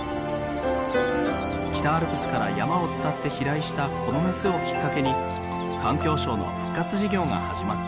北アルプスから山を伝って飛来したこの雌をきっかけに環境省の復活事業が始まった。